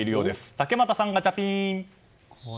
竹俣さん、ガチャピン！